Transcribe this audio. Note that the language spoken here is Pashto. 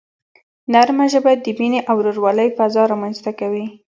نرمه ژبه د مینې او ورورولۍ فضا رامنځته کوي.